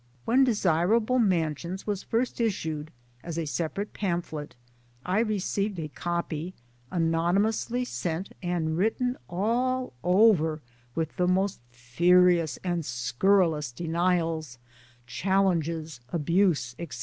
When Desirable Mansions was first issued, as a separate pamphlet, I received a copy, anonymously sent and written all over with the most furious and scurrilous denials, challenges, abuse, etc.